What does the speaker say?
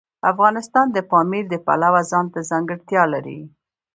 افغانستان د پامیر د پلوه ځانته ځانګړتیا لري.